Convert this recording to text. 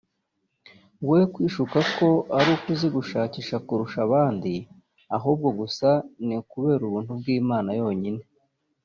we kwishuka ko ari uko uzi gushakisha kurusha abandi ahubwo gusa ni ukubera Ubuntu bw’Imana yonyine